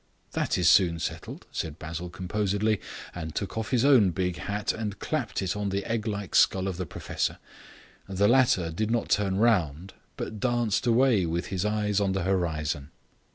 "That is soon settled," said Basil composedly, and took off his own big hat and clapped it on the egglike skull of the professor. The latter did not turn round but danced away with his eyes on the horizon.